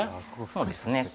そうですね。